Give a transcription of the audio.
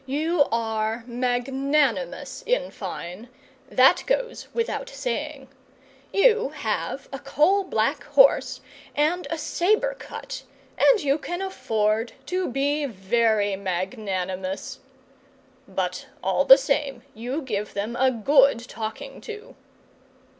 You are magnanimous, in fine that goes without saying; you have a coal black horse, and a sabre cut, and you can afford to be very magnanimous. But all the same you give them a good talking to.